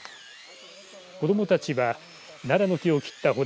子どもたちはならの木を切ったほだ